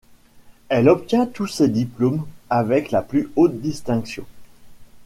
Elle obtient tous ses diplômes avec la plus haute distinction.